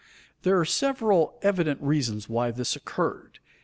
_ There are several evident reasons why this occurred.